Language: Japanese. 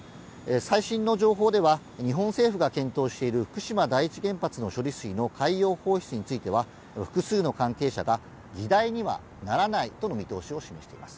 最新の情報では、日本政府が検討している福島第一原発の処理水の海洋放出については、複数の関係者が議題にはならないとの見通しを示しています。